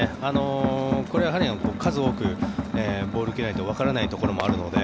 これは数多くボールを受けないとわからないところもあるので